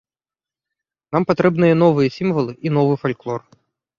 Нам патрэбныя новыя сімвалы і новы фальклор.